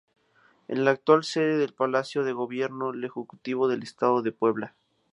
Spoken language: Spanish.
Es la actual sede del Palacio de Gobierno del Ejecutivo del Estado de Puebla.